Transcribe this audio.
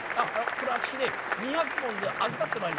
これ私二百文で預かってまいります。